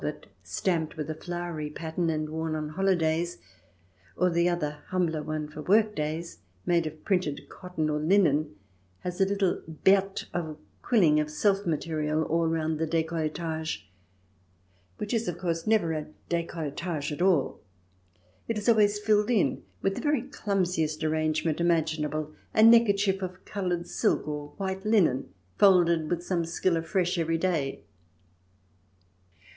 ix stamped with a flowery pattern, and worn on holidays, or the other humbler one for work days, made of printed cotton or linen, has a little berthe of quilling of self material all round the decolletage, which is, of course, never a decolletage at all. It is always filled in with the very clumsiest arrange ment imaginable, a neckerchief of coloured silk or white linen, folded with some skill afresh every day.